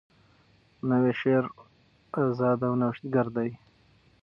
نوی شعر آزاده او نوښتګر دی.